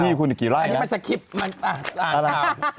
ที่คุณอีกกี่ไร่นะ